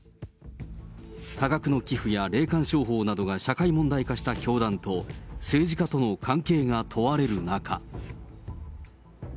多額の寄付や霊感商法などが社会問題化した教団と、政治家との関係が問われる中。